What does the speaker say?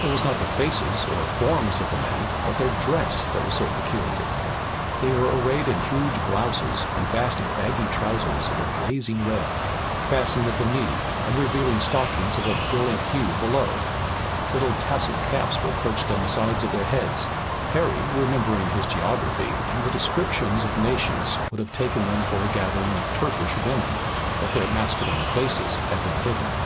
It was not the faces or forms of the men, but their dress that was so peculiar. They were arrayed in huge blouses and vast baggy trousers of a blazing red, fastened at the knee and revealing stockings of a brilliant hue below. Little tasselled caps were perched on the sides of their heads. Harry remembering his geography and the descriptions of nations would have taken them for a gathering of Turkish women, if their masculine faces had been hidden.